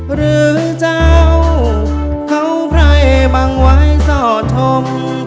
หรือเจ้าเข้าไพร่บั่งไหวสอดโถม